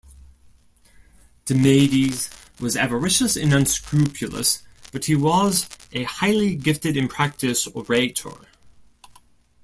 Demades was avaricious and unscrupulous, but he was a highly gifted and practised orator.